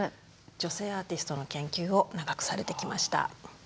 女性アーティストの研究を長くされてきました。